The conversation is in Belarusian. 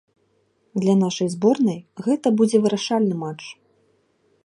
Для нашай зборнай гэта будзе вырашальны матч.